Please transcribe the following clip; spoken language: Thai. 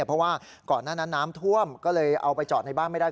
เพราะว่าก่อนหน้านั้นน้ำท่วมก็เลยเอาไปจอดในบ้านไม่ได้